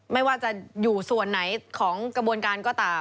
ไม่ว่าจะอยู่ส่วนไหนของกระบวนการก็ตาม